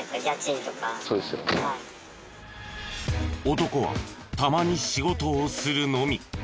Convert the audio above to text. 男はたまに仕事をするのみ。